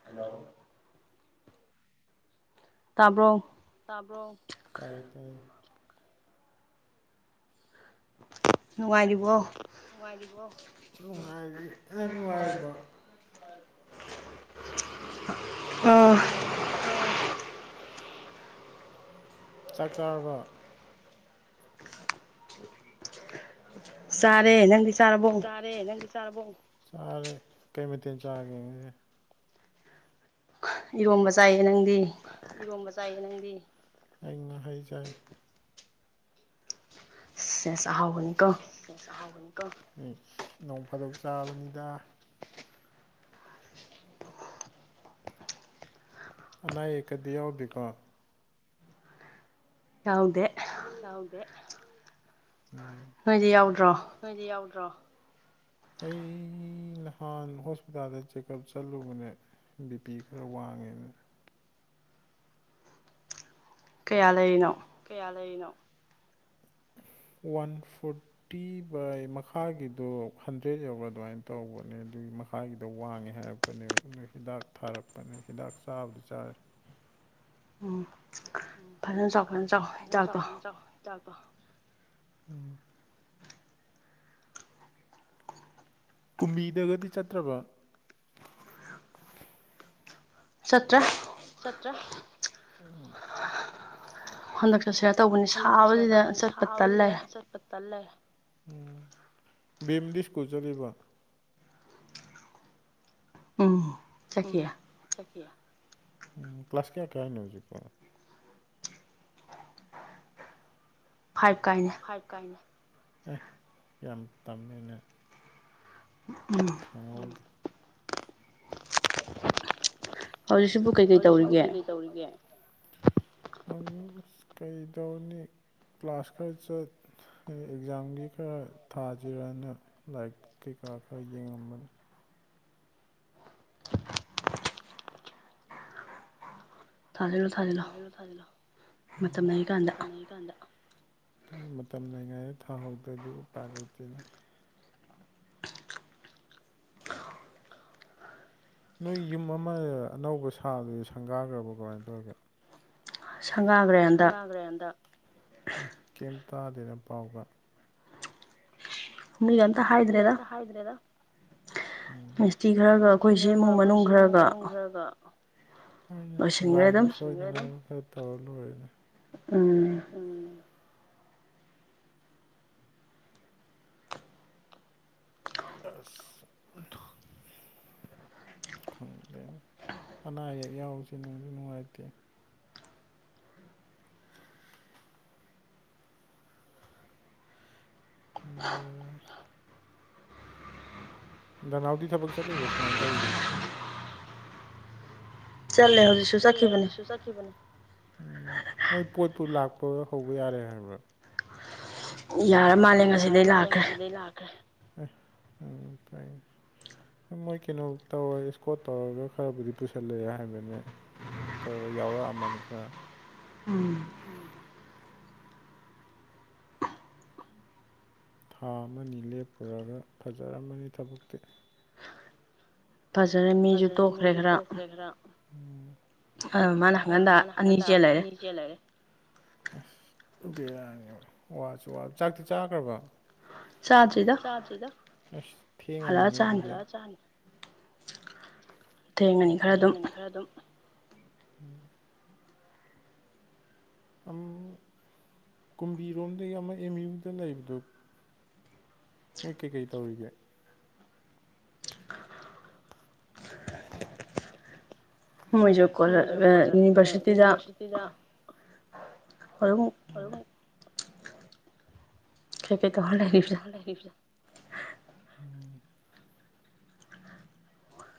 [inaudible] ꯇꯥꯕ꯭ꯔꯣ ꯇꯥꯕ꯭ꯔꯣ ꯇꯥꯏꯌꯦ ꯇꯥꯏꯌꯦ ꯅꯨꯡꯉꯥꯏꯔꯤꯕꯣ ꯅꯨꯡꯉꯥꯔꯤꯕꯣ ꯅꯨꯡꯉꯥꯏꯔꯤ ꯅꯪ ꯅꯨꯡꯉꯥꯏꯔꯤꯕꯣ ꯑꯥ ꯑꯥ ꯆꯥꯛ ꯆꯥꯔꯕꯣ ꯆꯥꯔꯦ ꯅꯪꯗꯤ ꯆꯥꯔꯕꯣ ꯆꯥꯔꯦ ꯅꯪꯗꯤ ꯆꯥꯔꯕꯣ ꯆꯥꯔꯦ ꯀꯩ ꯃꯊꯦꯜ ꯆꯥꯔꯒꯦ ꯉꯁꯤ ꯏꯔꯣꯝꯕ ꯆꯥꯏꯌꯦ ꯅꯪꯗꯤ ꯏꯔꯣꯝꯕ ꯆꯥꯏꯌꯦ ꯅꯪꯗꯤ ꯑꯩ ꯉꯥꯍꯩ ꯆꯥꯏ ꯁꯦꯁ ꯑꯍꯥꯎꯕꯅꯤ ꯀꯣ ꯥ ꯁꯦꯁ ꯑꯍꯥꯎꯕꯅꯤ ꯀꯣ ꯎꯝ ꯅꯣꯡ ꯐꯥꯗꯣꯛ ꯆꯥꯕꯅꯤꯗ ꯑꯅꯥ ꯌꯦꯛꯀꯗꯤ ꯌꯥꯎꯗꯦꯀꯣ ꯌꯥꯎꯗꯦ ꯌꯥꯎꯗꯦ ꯅꯣꯏꯗꯤ ꯌꯥꯎꯗ꯭ꯔꯣ ꯅꯣꯏꯗꯤ ꯌꯥꯎꯗ꯭ꯔꯣ ꯑꯩ ꯅꯍꯥꯟ ꯍꯣꯁꯄꯤꯇꯥꯜꯗ ꯆꯦꯛꯑꯞ ꯆꯠꯂꯨꯕꯅꯦ ꯕꯤꯄꯤ ꯈꯔ ꯋꯥꯡꯉꯦꯅ ꯀꯌꯥ ꯂꯩꯔꯤꯅꯣ ꯀꯌꯥ ꯂꯩꯔꯤꯅꯣ [inaudible] ꯋꯥꯟ ꯐꯣꯔ ꯇꯤ ꯕꯥꯏ ꯃꯈꯥꯒꯤꯗꯣ ꯍꯟꯗ꯭ꯔꯦꯗ ꯌꯧꯕ꯭ꯔꯥ ꯑꯗꯨꯃꯥꯏꯅ ꯇꯧꯕꯅꯦ ꯑꯗꯨꯏ ꯃꯈꯥꯒꯤꯗꯣ ꯋꯥꯡꯉꯦ ꯍꯥꯏꯔꯛ ꯄꯅꯦꯕ ꯑꯗꯨꯏ ꯍꯤꯗꯥꯛ ꯊꯥꯔꯛꯄꯅꯦ ꯍꯤꯗꯥꯛ ꯆꯥꯕꯗꯤ ꯆꯥꯔꯦ ꯑꯣ ꯑꯣ ꯐꯖꯅ ꯆꯥꯎ ꯐꯖꯅ ꯆꯥꯎ ꯍꯤꯗꯥꯛꯇꯣ ꯎꯝ ꯀꯨꯝꯕꯤꯗꯒꯗꯤ ꯆꯠꯇ꯭ꯔꯕꯣ ꯆꯠꯇ꯭ꯔꯦ ꯆꯠꯇ꯭ꯔꯦ [unintelligible] ꯍꯟꯗꯛ ꯆꯠꯁꯤꯔ ꯇꯧꯕꯅꯤ ꯁꯥꯕꯁꯤꯗ ꯆꯠꯄ ꯇꯟ ꯂꯩꯔꯦ ꯎꯝ ꯕꯤꯝꯗꯤ ꯁ꯭ꯀꯨꯜ ꯆꯠꯂꯤꯕꯣ ꯎꯝ ꯎꯝ ꯆꯠꯈꯤꯌꯦ ꯎꯝ ꯀ꯭ꯂꯥꯁ ꯀꯌꯥ ꯀꯥꯏꯅꯣ ꯍꯧꯖꯤꯛꯄꯣ ꯐꯥꯏꯞ ꯀꯥꯏꯅꯦ ꯐꯥꯏꯞ ꯀꯥꯏꯅꯦ ꯑꯦ ꯌꯥꯝ ꯇꯝꯃꯦꯅꯦ ꯎꯝ [unintelligible] ꯍꯧꯖꯤꯛꯁꯤꯕꯨ ꯀꯩ ꯀꯩ ꯇꯧꯔꯤꯒꯦ [unintelligible] ꯀꯩꯇꯧꯔꯨꯅꯤ ꯀ꯭ꯂꯥꯁ ꯈꯔ ꯆꯠ ꯍꯥꯏꯗꯤ ꯑꯦꯛꯖꯥꯝꯒꯤ ꯈꯔ ꯊꯥꯖꯤꯔꯅ ꯂꯥꯏꯔꯤꯛ ꯀꯩꯀꯥ ꯈꯔ ꯌꯦꯡꯉꯝꯕꯅꯤ ꯊꯥꯖꯤꯜꯂꯣ ꯊꯥꯖꯤꯜ ꯊꯥꯖꯤꯜꯂꯣ ꯊꯥꯖꯤꯜꯂꯣ ꯎꯝ ꯃꯇꯝ ꯂꯩꯔꯤ ꯀꯥꯟꯗ ꯃꯇꯝ ꯂꯩꯉꯥꯏꯗ ꯊꯥꯍꯧꯗ꯭ꯔꯗꯤ ꯎꯄꯥꯏ ꯂꯩꯇꯦꯅꯦ [inaudible] ꯅꯣꯏ ꯌꯨꯝ ꯑꯃ ꯑꯅꯧꯕ ꯁꯥꯕꯗꯨꯗꯤ ꯁꯪꯒꯥꯒ꯭ꯔꯕꯣ ꯀꯃꯥꯏꯅ ꯇꯧꯔꯒꯦ ꯁꯪꯒꯥꯒ꯭ꯔꯦ ꯍꯟꯗꯛ ꯑꯦ ꯀꯩꯝ ꯇꯥꯗꯦꯅ ꯄꯥꯎꯒ ꯃꯤꯒ ꯑꯝꯇ ꯍꯥꯏꯗ꯭ꯔꯦꯗ ꯃꯤꯁꯇꯤ ꯈꯔꯒ ꯑꯩꯈꯣꯏꯁꯤ ꯏꯃꯨꯡ ꯃꯅꯨꯡ ꯈꯔꯒ ꯑꯩꯅ ꯂꯥꯏꯒꯤ ꯁꯣꯏꯗꯅ ꯈꯔ ꯇꯧꯔ ꯂꯣꯏꯔꯦꯅꯦ ꯎꯝ ꯎꯝ ꯑꯁ ꯈꯪꯗ꯭ꯔꯦꯅ ꯑꯅꯥ ꯑꯌꯦꯛ ꯌꯥꯎꯁ ꯅꯨꯡꯁꯨ ꯅꯨꯡꯉꯥꯏꯇꯦ [unintelligible] [inaudible] ꯅꯅꯥꯎꯗꯤ ꯊꯕꯛ ꯆꯠꯂꯤꯕꯣ ꯀꯃꯥꯏꯅ ꯇꯧꯔꯤꯒꯦ ꯆꯠꯂꯦ ꯍꯧ ꯆꯠꯂꯦ ꯍꯧꯖꯤꯛꯁꯨ ꯆꯠꯅꯤ ꯎꯝ ꯃꯣꯏ ꯄꯣꯠꯄꯨ ꯂꯥꯛꯄ ꯍꯧꯕ ꯌꯥꯔꯦ ꯍꯥꯏꯕ ꯌꯥꯔ ꯃꯥ ꯌꯥꯔ ꯃꯥꯜꯂꯦ ꯉꯁꯤꯗꯩ ꯂꯥꯛꯈ꯭ꯔꯦ ꯎꯝ ꯐ ꯃꯣꯏ ꯀꯩꯅꯣ ꯇꯧꯔ ꯏꯁꯀꯣꯠ ꯇꯧꯔꯒ ꯈꯔꯕꯨꯗꯤ ꯄꯨꯁꯜꯂꯑꯦ ꯍꯥꯏꯕꯅꯦ ꯇꯧꯔꯒ ꯌꯥꯎꯔꯛꯑꯃꯅꯤ ꯈꯔ ꯊꯥ ꯑꯃꯅꯤ ꯂꯦꯞꯄꯨꯔꯒ ꯐꯖꯔꯝꯃꯅꯤ ꯊꯕꯛꯇꯤ ꯐꯖꯅ ꯐꯖꯔꯦ ꯃꯤꯁꯨ ꯇꯣꯛꯈ꯭ꯔꯦ ꯈꯔ ꯎꯝ ꯑꯗꯨ ꯃꯥꯅ ꯍꯪꯀꯟꯗ ꯑꯅꯤ ꯀꯦ ꯂꯩꯔꯦ ꯑꯁ ꯕꯤꯔꯥꯅꯤ ꯋꯥꯁꯨ ꯆꯥꯛꯇꯤ ꯆꯥꯈ꯭ꯔꯕ ꯆꯥꯗꯔꯤꯗ ꯑꯁ ꯊꯡꯑꯅꯤꯅꯩ ꯍꯜꯂꯛꯑ ꯆꯥꯅꯤ ꯊꯦꯡꯉꯅꯤ ꯈꯔ ꯑꯗꯨꯝ ꯀꯨꯝꯕꯤꯔꯣꯝꯗꯒꯤ ꯑꯃ ꯑꯦꯝ ꯌꯨꯗ ꯂꯩꯕꯗꯨ ꯃꯣꯏ ꯀꯩꯀꯩ ꯇꯧꯔꯤꯒꯦ ꯃꯣꯏꯖꯨ ꯌꯨꯅꯤꯚꯔꯁꯤꯇꯤꯗ ꯁꯤꯗꯥꯛ [unintelligible] [unintelligible] ꯈꯦꯄꯦ ꯇ ꯍꯜ꯭ꯔ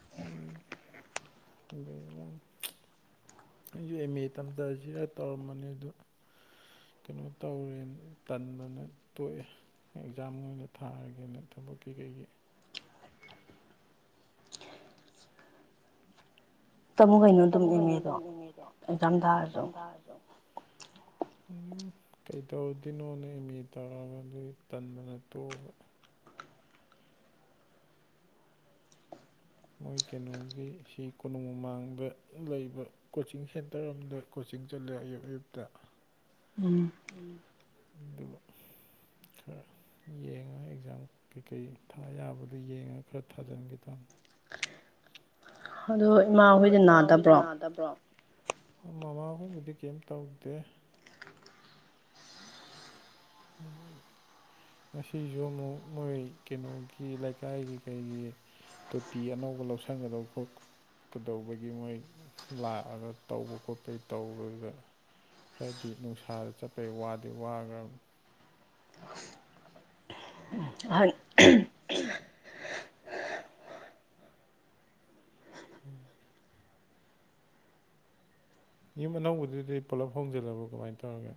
ꯂꯩ [unintelligible] ꯑꯩꯁꯨ ꯑꯦꯝ ꯑꯦ ꯇꯝꯊꯁꯤꯔ ꯇꯧꯔꯝꯕꯅꯦ ꯑꯗꯨ ꯀꯩꯅꯣ ꯇꯧꯔꯦ ꯇꯟꯕꯅ ꯇꯣꯛꯑꯦ ꯑꯦꯛꯖꯥꯝ ꯑꯣꯏꯅ ꯊꯥꯔꯒꯦꯅ ꯊꯕꯛꯀꯤ ꯀꯩꯒꯤ ꯇꯝꯃꯨ ꯀꯣꯏꯅꯣ ꯇꯃꯨꯛ ꯀꯩꯅꯣ ꯑꯗꯨꯝ ꯏꯡꯉꯦꯗꯣ ꯑꯦꯛꯖꯥꯝ ꯊꯥꯔꯁꯨ ꯎꯝ ꯀꯩ ꯇꯧꯔꯗꯣꯏꯅꯣꯅꯦ ꯑ ꯑꯦ ꯇꯧꯔꯛꯒ ꯑꯗꯨ ꯇꯟꯗꯅ ꯇꯣꯛꯑꯕ ꯃꯣꯏ ꯀꯩꯅꯣꯒꯤ ꯁꯤ ꯀꯣꯅꯨꯡ ꯃꯃꯥꯡꯗ ꯂꯩꯕ ꯀꯣꯆꯤꯡ ꯁꯦꯟꯇꯔ ꯑꯝꯗ ꯀꯣꯆꯤꯡ ꯆꯠꯂꯦ ꯑꯌꯨꯛ ꯑꯌꯨꯛꯇ ꯑꯗꯨꯒ ꯈꯔ ꯌꯦꯡꯉ ꯑꯦꯛꯖꯥꯝ ꯀꯩꯀꯩ ꯊꯥ ꯌꯥꯕꯗꯣ ꯌꯦꯡꯉꯒ ꯈꯔ ꯊꯥꯖꯤꯟꯒꯦ ꯇꯣ ꯑꯗꯣ ꯑꯗꯣ ꯏꯃꯥꯍꯣꯏꯗꯤ ꯅꯥꯗꯕ꯭ꯔꯣ ꯃꯃꯥꯍꯣꯏꯕꯨꯗꯤ ꯀꯩꯝ ꯇꯧꯗꯦ [inaudible] ꯉꯁꯤꯁꯨ ꯑꯃꯨꯛ ꯃꯣꯏ ꯀꯩꯅꯣꯒꯤ ꯂꯩꯀꯥꯏꯒꯤ ꯀꯩꯒꯤ ꯇꯣꯇꯤ ꯑꯅꯧꯕ ꯂꯧꯁꯟꯒꯗꯧꯕ ꯀꯩꯗꯧꯕꯒꯤ ꯃꯣꯏ ꯂꯥꯛꯑꯒ ꯇꯧꯕ ꯈꯣꯠꯄꯒꯤ ꯇꯧꯕꯧꯕꯗ ꯈꯔꯗꯤ ꯅꯨꯡꯁꯥꯗ ꯆꯠꯄꯒꯤ ꯋꯥꯗꯤ ꯋꯥꯈ꯭ꯔꯕ [unintelligible] ꯎꯝ ꯌꯨꯝ ꯑꯅꯧꯕꯗꯨꯗꯤ ꯄꯨꯂꯞ ꯍꯣꯡꯖꯤꯜꯂꯕꯣ ꯀꯃꯥꯏꯅ ꯇꯧꯔꯒ‌ꯦ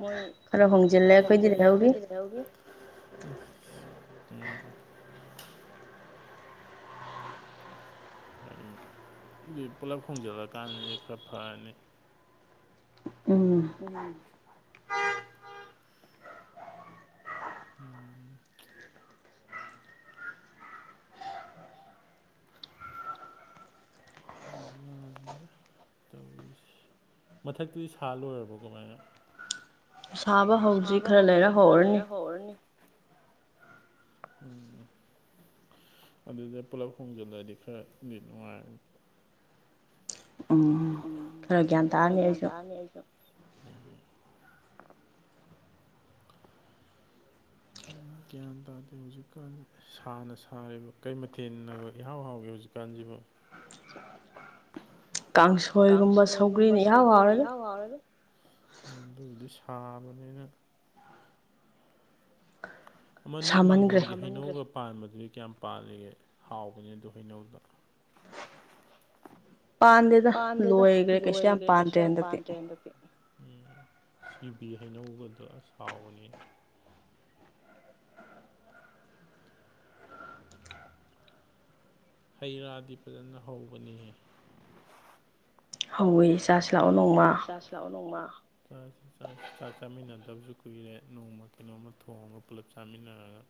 ꯃꯣꯏ ꯑꯗ ꯍꯣꯡꯖꯤꯜꯂꯦ ꯑꯩꯈꯣꯏꯗꯤ ꯂꯩꯍꯧꯔꯤ ꯑꯁ ꯎꯝ ꯐꯩ ꯑꯗꯨ ꯄꯨꯂꯞ ꯍꯣꯡꯖꯤꯜꯂꯛꯀꯥꯟꯗꯗꯤ ꯈꯔ ꯐꯔꯅꯤ ꯎꯝ ꯎꯝ ꯇꯧꯔꯤꯁꯦ ꯃꯊꯛꯇꯨꯗꯤ ꯁꯥ ꯂꯣꯏꯔꯕꯣ ꯀꯃꯥꯏꯅ ꯁꯥꯕ ꯍꯧꯗ꯭ꯔꯤ ꯈꯔ ꯂꯩꯔ ꯍꯧꯔꯅꯤ ꯎꯝ ꯑꯗꯨꯗ ꯄꯨꯂꯞ ꯍꯣꯡꯖꯤꯜꯂꯗꯤ ꯈꯔꯗꯤ ꯅꯨꯡꯉꯥꯏꯔꯅꯤ ꯎꯝ ꯈꯔ ꯒ꯭ꯌꯥꯟ ꯇꯥꯔꯅꯤ ꯑꯩꯁꯨ ꯎꯝ [inaudible] ꯈꯪꯉꯤ ꯒ꯭ꯌꯥꯟ ꯇꯥꯗꯦ ꯍꯧꯖꯤꯛꯀꯥꯟꯁ‍ꯦ ꯁꯥꯅ ꯁꯥꯔꯤꯕ ꯀꯩ ꯃꯊꯦꯜꯅ ꯏꯍꯥꯎ ꯍꯥꯎꯒ‌ꯦ ꯍꯧꯖꯤꯛꯀꯥꯟꯁꯤꯕꯨ ꯀꯥꯡꯁꯨ ꯀꯥꯡꯁꯣꯏꯒꯨꯝꯕ ꯁꯧꯒ꯭ꯔꯤꯅ ꯏꯍꯥꯎ ꯍꯥꯎꯔꯦ ꯑꯗꯨꯕꯨꯗꯤ ꯁꯥꯕꯅꯤꯅ ꯑꯃ ꯅꯣꯏ ꯃꯥꯡꯒꯣꯟꯒꯤ ꯍꯩꯅꯧꯒ ꯄꯥꯟꯕꯗꯨꯗꯤ ꯀꯌꯥꯝ ꯄꯥꯜꯂꯤꯒꯦ ꯍꯥꯎꯕꯅꯦ ꯑꯗꯨ ꯍꯩꯅꯧꯗ ꯄꯥꯟꯗꯦꯗ ꯂꯣꯏꯈꯒ꯭ꯔ‌ꯦ ꯀꯩꯁꯨ ꯌꯥꯝ ꯄꯥꯟꯗ꯭ꯔꯦꯗ ꯌꯨꯕꯤ ꯍꯩꯅꯧꯒꯗꯣ ꯑꯁ ꯍꯥꯎꯕꯅꯦ ꯍꯩ ꯔꯥꯗꯤ ꯐꯖꯅ ꯍꯧꯕꯅꯤꯍꯦ ꯍꯧꯋꯦ ꯍꯧꯋꯦ ꯆꯥꯁꯤ ꯂꯥꯛꯑꯣ ꯅꯣꯡꯃ ꯆꯥꯁꯤ ꯆꯥꯁꯤ ꯆꯥꯛ ꯆꯥꯃꯤꯟꯅꯗꯕꯁꯨ ꯀꯨꯏꯔꯦ ꯅꯣꯡꯃ ꯀꯩꯅꯣꯝꯃ ꯊꯣꯡꯉꯒ ꯄꯨꯂꯞ ꯆꯥꯃꯤꯟꯅꯔꯒ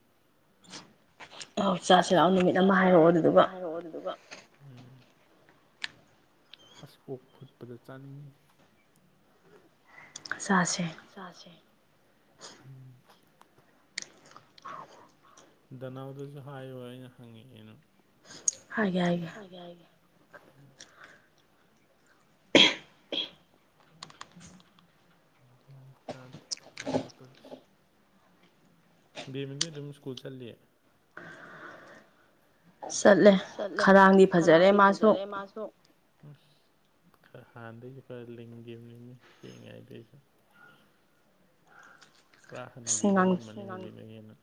ꯑ ꯆꯥꯁꯤ ꯂꯥꯛꯑꯣ ꯅꯨꯃꯤꯠ ꯑꯃ ꯍꯥꯏꯔꯛꯑꯣ ꯑꯗꯨꯗꯨꯒ ꯑꯗꯨꯗꯨꯒ ꯑꯁ ꯑꯣꯛ ꯐꯨꯠꯄꯗꯣ ꯆꯥꯅꯤꯡꯉ‌ꯦꯍ‌ꯦ ꯆꯥꯁꯦ ꯆꯥꯁꯦ ꯗꯅꯥꯎꯗꯁꯨ ꯍꯥꯏꯌ‌ꯣ ꯑꯩꯅ ꯍꯪꯉꯛꯑꯦꯅ ꯍꯥꯏꯒꯦ ꯍꯥꯏꯒꯦ ꯍꯥꯏꯒꯦ ꯍꯥꯏꯒꯦ ꯑꯝ ꯒꯌ꯭ꯥꯟ ꯇꯥꯗꯦ ꯇꯧꯗꯣꯏꯁꯦ ꯕꯦꯝꯃꯗꯤ ꯑꯗꯨꯝ ꯁ꯭ꯀꯨꯜ ꯆꯠꯂꯤ ꯆꯠꯂꯦ ꯈꯗꯥꯡꯗꯤ ꯐꯖꯔꯦ ꯃꯥꯁꯨ ꯑ ꯈꯔ ꯍꯥꯟꯅꯗꯗꯩꯁꯨ ꯈꯔ ꯂꯤꯡꯒꯤꯕꯅꯤꯅꯦ ꯄꯤꯛꯏꯉꯩꯗꯩꯁꯨ ꯄꯨꯔ ꯍꯅꯨꯕꯤ ꯑꯣꯜꯂꯝꯃꯅꯤ ꯍꯟꯅꯗꯩꯩ ꯍꯦꯟꯅꯥ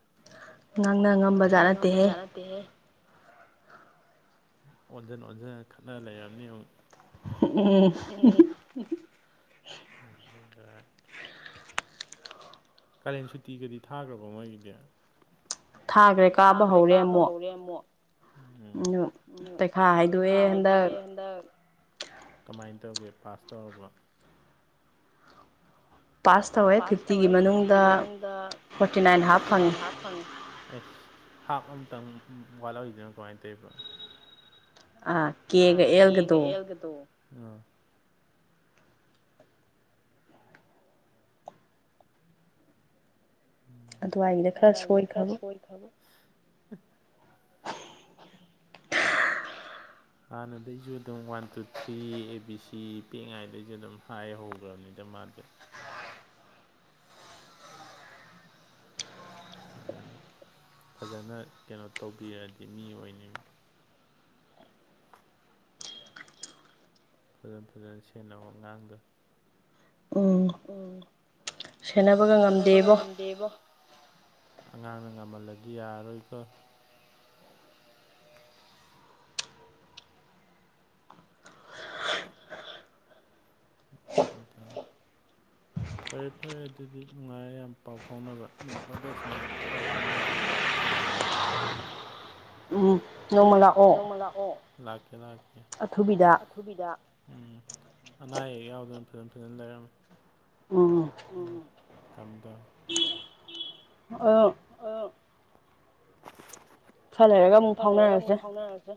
ꯉꯥꯡꯅ ꯉꯝꯕ ꯖꯥꯠ ꯅꯠꯇꯦꯍꯦ ꯑꯣꯟꯖꯟ ꯑꯣꯟꯖꯟ ꯈꯠꯅ ꯂꯩꯔꯝꯅꯤꯕ ꯑꯃꯨꯛ [unintelligible] ꯀꯥꯂꯦꯟ ꯁꯨꯇꯤꯒꯗꯤ ꯊꯥꯈ꯭ꯔꯕ ꯃꯣꯏꯒꯤꯗꯤ ꯊꯥꯒ꯭ꯔꯦ ꯊꯥꯈꯒ꯭ꯔꯦ ꯀꯥꯕ ꯍꯧꯔꯦ ꯑꯃꯨꯛ ꯎꯝ ꯄꯩꯈꯥ ꯍꯥꯏꯗꯣꯛꯑꯦ ꯍꯟꯗꯛ ꯀꯃꯥꯏ ꯇꯧꯔꯒꯦ ꯄꯥꯁ ꯇꯧꯔꯕ ꯄꯥꯁ ꯇꯧꯋꯦ ꯐꯤꯞꯇꯤꯒꯤ ꯃꯅꯨꯡꯗ ꯐꯣꯔꯇꯤ ꯅꯥꯏꯟ ꯍꯥꯞ ꯑꯩꯁ ꯍꯥꯞ ꯑꯃꯇꯪ ꯋꯥꯠꯍꯧꯔꯤꯗꯨꯅ ꯀꯃꯥꯏꯅ ꯇꯧꯔꯤꯕ ꯑꯥ ꯑ ꯀꯦꯒ ꯑꯦꯜꯒꯗꯣ ꯑꯗꯨꯋꯥꯏꯗ ꯈꯔ ꯁꯣꯏꯈ꯭ꯔꯕ [inaudible] ꯍꯥꯟꯅꯗꯩꯁꯨ ꯑꯗꯨꯝ one two three A B C ꯄꯤꯛꯏꯉꯏꯗꯩꯁꯨ ꯑꯗꯨꯝ ꯍꯥꯏ ꯍꯧꯈ꯭ꯔꯕꯅꯤꯗ ꯃꯥꯗꯤ ꯑꯗꯨ ꯐꯖꯅ ꯀꯩꯅꯣ ꯇꯧꯕꯤꯔꯗꯤ ꯃꯤ ꯑꯣꯏꯅꯤ ꯐꯖ ꯐꯖꯅ ꯁꯦꯟꯅꯕ ꯑꯉꯥꯡꯗꯨ ꯎꯝ ꯁꯦꯟꯅꯕꯒ ꯉꯝꯗꯦꯕꯣ ꯑꯉꯥꯡꯅ ꯉꯝꯍꯜꯂꯗꯤ ꯌꯥꯔꯔꯣꯏꯒꯣ ꯑꯀ [inaudible] ꯑ [unintelligible] ꯐꯔꯦ ꯐꯔꯦ ꯑꯗꯨꯗꯤ ꯅꯨꯡꯉꯥꯏꯦ ꯌꯥꯝ ꯄꯥꯎ ꯐꯥꯎꯅꯕ ꯅꯨꯡꯄꯥꯗꯣ ꯁꯨꯃꯥꯏꯅ ꯄꯥꯎ ꯐꯥꯎꯅꯁꯦ ꯎꯝ ꯅꯣꯡꯃ ꯂꯥꯛꯑꯣ ꯂꯥꯛꯀꯦ ꯂꯥꯛꯀꯦ ꯑꯊꯨꯕꯤꯗ ꯑꯊꯕꯤꯗ ꯎꯝ ꯑꯅꯥ ꯑꯌꯦꯛ ꯌꯥꯎꯗꯅ ꯐꯖꯅ ꯐꯖꯅ ꯂꯩꯔꯝꯃꯣ ꯎꯝ ꯗꯝ [inaudible] ꯈꯔ ꯂꯩꯔꯒ ꯈꯔ ꯂꯩꯔꯒ ꯑꯃꯨꯛ ꯐꯥꯎꯅꯔꯁꯦ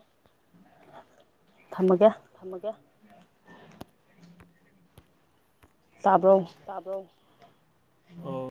ꯊꯝꯃꯒꯦ ꯊꯝꯃꯒꯦ ꯇꯥꯕ꯭ꯔꯣ ꯇꯥꯕꯔꯣ ꯑꯝ